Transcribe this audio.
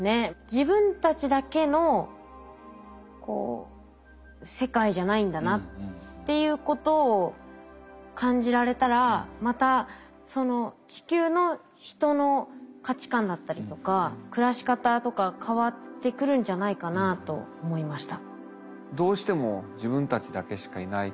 自分たちだけの世界じゃないんだなっていうことを感じられたらまたその地球の人の価値観だったりとか暮らし方とか変わってくるんじゃないかなと思いました。